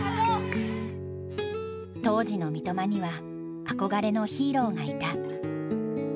当時の三笘には憧れのヒーローがいた。